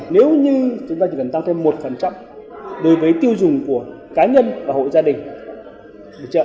nếu như chúng ta chỉ cần tăng thêm một đối với tiêu dùng của cá nhân và hộ gia đình